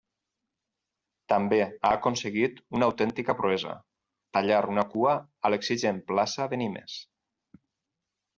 També ha aconseguit una autèntica proesa: tallar una cua en l'exigent plaça de Nimes.